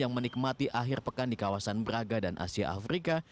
yang menikmati akhir pekan di kawasan braga dan asia afrika